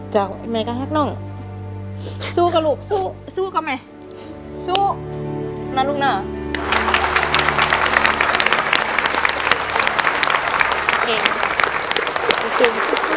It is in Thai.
จ้าวอีแม่กระฮักน่ะสู้กันลูกสู้ก่อนไหมสู้นั่นรึไง